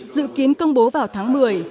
dự kiến công bố vào tháng một mươi